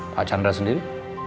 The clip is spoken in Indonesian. pak chandra sendiri